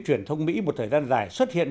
truyền thông mỹ một thời gian dài xuất hiện